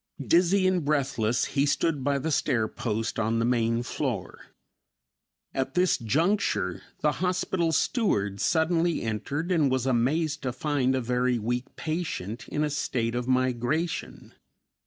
Dizzy and breathless he stood by the stair post on the main floor. At this juncture the hospital steward suddenly entered and was amazed to find a very weak patient in a state of migration.